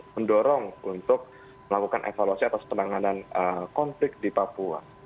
mendorong untuk melakukan evaluasi atas penanganan konflik di papua